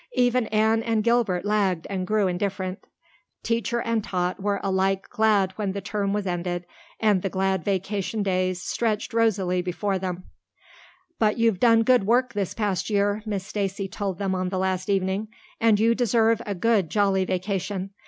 Even Anne and Gilbert lagged and grew indifferent. Teacher and taught were alike glad when the term was ended and the glad vacation days stretched rosily before them. "But you've done good work this past year," Miss Stacy told them on the last evening, "and you deserve a good, jolly vacation.